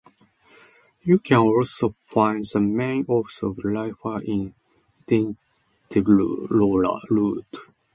You can also find the main office of Lyfter in Dinteloord.